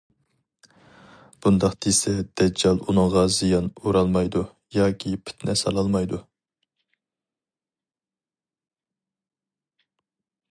بۇنداق دېسە دەججال ئۇنىڭغا زىيان ئۇرالمايدۇ، ياكى پىتنە سالالمايدۇ.